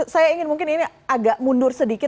saya ingin mungkin ini agak mundur sedikit